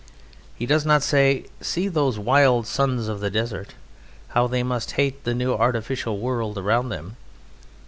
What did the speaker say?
He does not say: "See those wild sons of the desert! How they must hate the new artificial world around them!"